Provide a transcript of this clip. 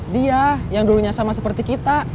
dia yang dulunya sama seperti kita